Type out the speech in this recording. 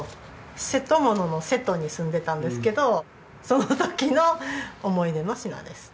瀬戸物の瀬戸に住んでたんですけどその時の思い出の品です。